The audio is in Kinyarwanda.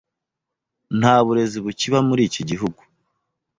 nta burezi bukiba muri iki gihugu